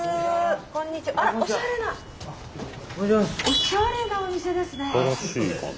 おしゃれなお店ですね。